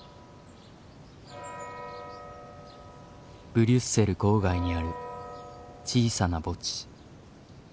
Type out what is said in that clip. ブリュッセル郊外にある小さな墓地。